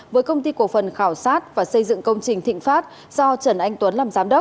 với công ty cổ phần khảo sát và xây dựng công trình thịnh pháp do trần anh tuấn làm giám đốc